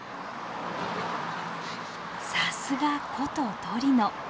さすが古都トリノ。